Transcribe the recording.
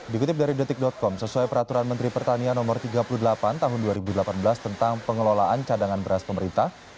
dikutip dari detik com sesuai peraturan menteri pertanian no tiga puluh delapan tahun dua ribu delapan belas tentang pengelolaan cadangan beras pemerintah